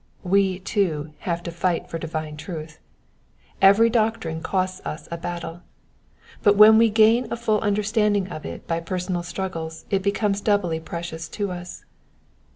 We too have to fight for divine truth ; every doctrine costs us a battle, but when we ^ain a full understanding of it by personal struggles it becomes doubly precious to us.